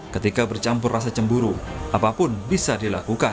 ketika bercampur rasa cemburu apapun bisa dilakukan